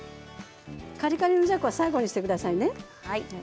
カリカリのじゃこは最後にしてくださいね。